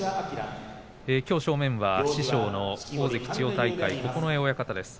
きょう正面は師匠大関千代大海、九重親方です。